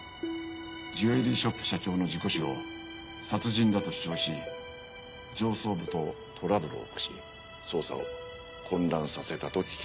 ジュエリーショップ社長の事故死を殺人だと主張し上層部とトラブルを起こし捜査を混乱させたと聞きました。